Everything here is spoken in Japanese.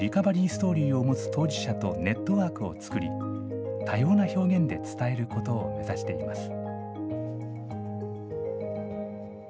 ストーリーを持つ当事者とネットワークを作り、多様な表現で伝えることを目指しています。